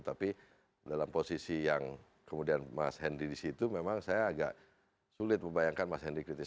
tapi dalam posisi yang kemudian mas henry di situ memang saya agak sulit membayangkan mas henry kritis